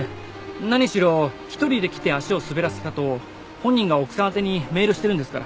何しろ１人で来て足を滑らせたと本人が奥さん宛てにメールしてるんですから。